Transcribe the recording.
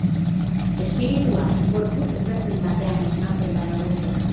Espiritua gorputz ezberdin batean esnatzen da egunero.